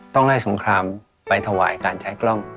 ต้องให้สงครามไปถวายการใช้กล้อง